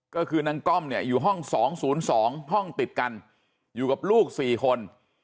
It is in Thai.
ก็คือนางก้อมเนี่ยอยู่ห้องสองศูนย์สองห้องติดกันอยู่กับลูกสี่คน